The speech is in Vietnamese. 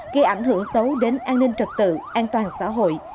gây ảnh hưởng xấu đến an ninh trật tự an toàn xã hội